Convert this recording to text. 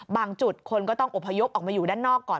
จุดคนก็ต้องอพยพออกมาอยู่ด้านนอกก่อน